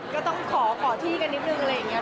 ก็ต้องขอที่กันนิดนึงอะไรอย่างนี้